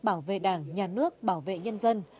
bảo vệ đảng nhà nước bảo vệ nhân dân